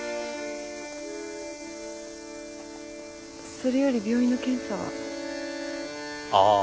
それより病院の検査は。ああ。